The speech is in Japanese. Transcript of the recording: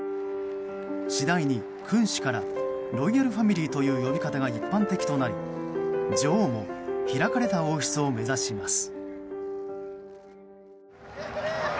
次第に、君主からロイヤルファミリーという呼び方が一般的となり女王も開かれた王室を目指します。